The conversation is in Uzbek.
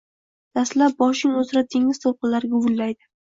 Dastlab boshing uzra dengiz to’lqinlari guvillaydi.